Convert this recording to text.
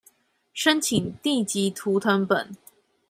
申請地籍圖謄本